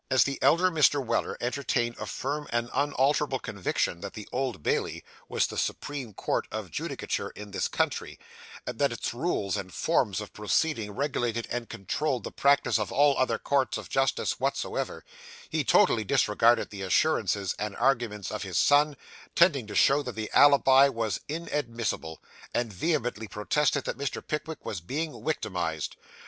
As the elder Mr. Weller entertained a firm and unalterable conviction that the Old Bailey was the supreme court of judicature in this country, and that its rules and forms of proceeding regulated and controlled the practice of all other courts of justice whatsoever, he totally disregarded the assurances and arguments of his son, tending to show that the alibi was inadmissible; and vehemently protested that Mr. Pickwick was being 'wictimised.